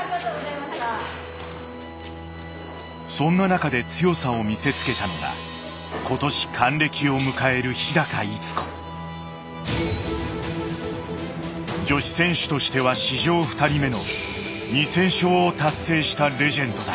そんな中で強さを見せつけたのが今年還暦を迎える女子選手としては史上２人目の２，０００勝を達成したレジェンドだ。